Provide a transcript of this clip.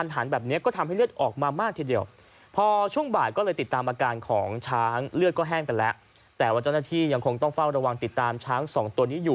แต่ว่าเจ้าหน้าที่ยังคงต้องเฝ้าระวังติดตามช้างสองตัวนี้อยู่